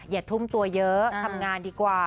อย่าทุ่มตัวเยอะทำงานดีกว่า